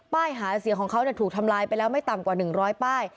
หาเสียงของเขาถูกทำลายไปแล้วไม่ต่ำกว่า๑๐๐ป้าย